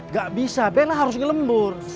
gak bisa bella harus dilembur